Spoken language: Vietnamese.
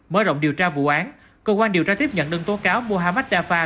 mới rộng điều tra vụ án cơ quan điều tra tiếp nhận đơn tố cáo muhammad dafar